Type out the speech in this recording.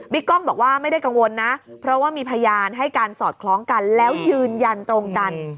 กล้องบอกว่าไม่ได้กังวลนะเพราะว่ามีพยานให้การสอดคล้องกันแล้วยืนยันตรงกัน